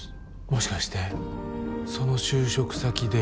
もしかしてその就職先で。